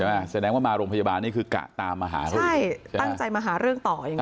ใช่ไหมแสดงว่ามาโรงพยาบาลนี่คือกะตามมาหาใช่ตั้งใจมาหาเรื่องต่ออย่างเงี้ยค่ะ